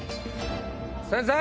先生。